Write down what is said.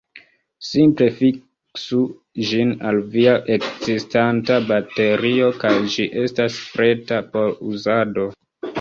Simple fiksu ĝin al via ekzistanta baterio, kaj ĝi estas preta por uzado.